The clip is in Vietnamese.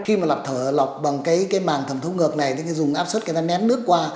khi mà lọc thở lọc bằng cái màng thẩm thúc ngược này thì dùng áp suất người ta nén nước qua